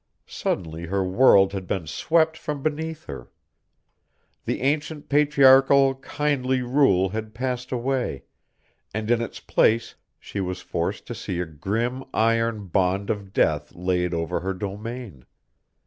Suddenly her world had been swept from beneath her. The ancient patriarchal, kindly rule had passed away, and in its place she was forced to see a grim iron bond of death laid over her domain.